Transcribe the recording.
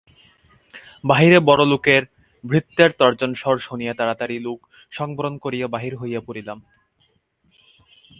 বাহিরে বড়োলোকের ভৃত্যের তর্জনস্বর শুনিয়া তাড়াতাড়ি শোক সংবরণ করিয়া বাহির হইয়া পড়িলাম।